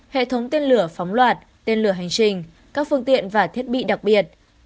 hệ thống tiên lửa phóng loạt tiên lửa hành trình các phương tiện và thiết bị đặc biệt